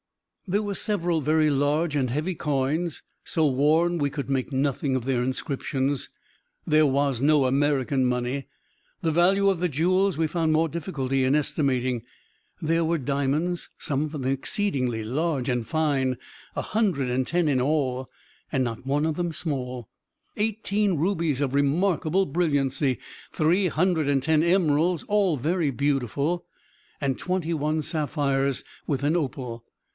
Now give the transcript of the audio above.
There were several very large and heavy coins, so worn that we could make nothing of their inscriptions. There was no American money. The value of the jewels we found more difficulty in estimating. There were diamonds some of them exceedingly large and fine a hundred and ten in all, and not one of them small; eighteen rubies of remarkable brilliancy; three hundred and ten emeralds, all very beautiful; and twenty one sapphires, with an opal.